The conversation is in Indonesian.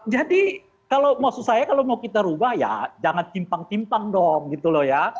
jadi kalau maksud saya kalau mau kita ubah ya jangan timpang timpang dong gitu loh ya